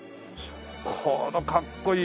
このかっこいい！